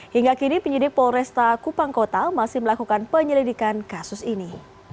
hingga kini penyidik polresta kupang kota masih melakukan penyelidikan kasus ini